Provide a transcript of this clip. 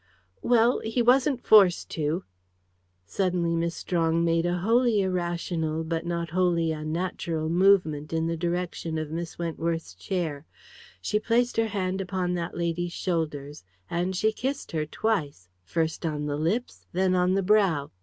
"Well, he wasn't forced to!" Suddenly Miss Strong made a wholly irrational, but not wholly unnatural, movement in the direction of Miss Wentworth's chair. She placed her hand upon that lady's shoulders. And she kissed her twice, first on the lips, then on the brow.